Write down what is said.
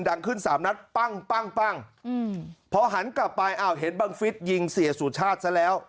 ดังขึ้นสามนัดปั้งปั้งพอหันกลับไปอ้าวเห็นบังฟิศยิงเสียสุชาติซะแล้ว